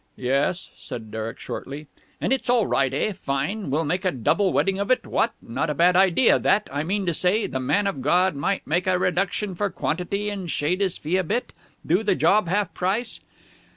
"Yes," said Derek shortly. "And it's all right, eh? Fine! We'll make a double wedding of it, what? Not a bad idea, that! I mean to say, the man of God might make a reduction for quantity and shade his fee a bit. Do the job half price!"